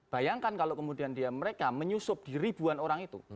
bayangkan kalau kemudian mereka menyusup di ribuan orang itu